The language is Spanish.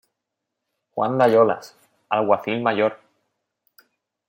Juan de Ayolas, Alguacil Mayor.